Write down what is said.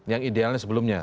yang idealnya sebelumnya